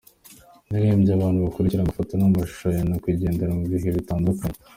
Yaririmbye abantu bakurikira amafoto n’amashusho ya nyakwigendera mu bihe bitandukanye.